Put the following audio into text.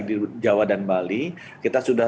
di jawa dan bali kita sudah